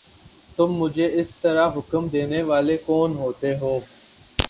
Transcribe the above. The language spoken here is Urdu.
تم مجھے اس طرح حکم دینے والے کون ہوتے ہو؟